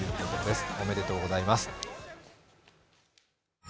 おめでとうございます。